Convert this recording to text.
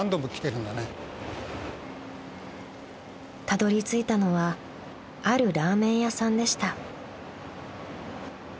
［たどりついたのはあるラーメン屋さんでした］